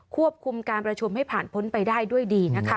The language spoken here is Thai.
ควบคุมการประชุมให้ผ่านพ้นไปได้ด้วยดีนะคะ